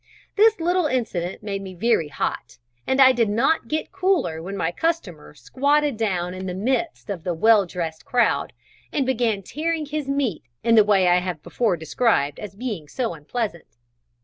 This little incident made me very hot, and I did not get cooler when my customer squatted down in the midst of the well dressed crowd, and began tearing his meat in the way I have before described as being so unpleasant.